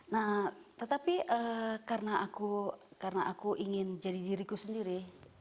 nah tetapi karena aku ingin jadi diriku sendiri